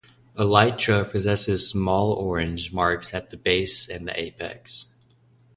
Elytra possess small orange marks at the base and apex.